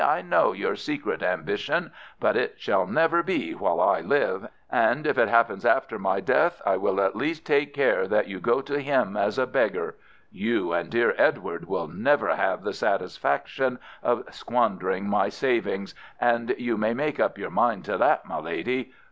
I know your secret ambition, but it shall never be while I live, and if it happens after my death I will at least take care that you go to him as a beggar. You and dear Edward will never have the satisfaction of squandering my savings, and you may make up your mind to that, my lady.